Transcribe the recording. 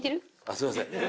すいません。